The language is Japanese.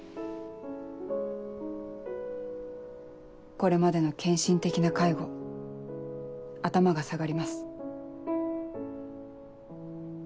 これまでの献身的な介護頭が下がります。